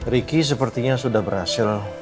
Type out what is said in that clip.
riki sepertinya sudah berhasil